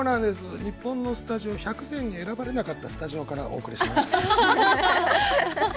日本のスタジオ１００選に選ばれなかったスタジオからお送りします。